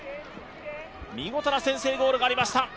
見事な先制ゴールがありました。